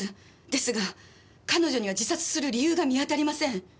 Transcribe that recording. ですが彼女には自殺する理由が見当たりません。